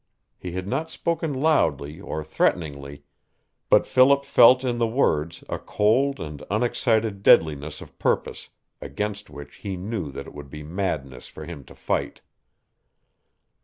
He had not spoken loudly or threateningly, but Philip felt in the words a cold and unexcited deadliness of purpose against which he knew that it would be madness for him to fight.